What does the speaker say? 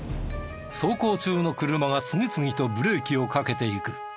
走行中の車が次々とブレーキをかけていく。